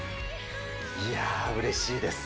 いやー、うれしいです。